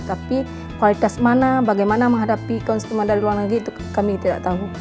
tapi kualitas mana bagaimana menghadapi konsumen dari luar negeri itu kami tidak tahu